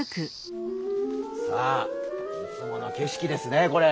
さあいつもの景色ですねこれ。